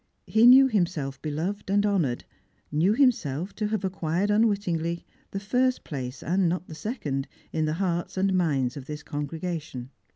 He knew himself beloved and honoured; knew himself to have acquired unwillingly the first place, and not the second, in the hearts and minds of thia congregation.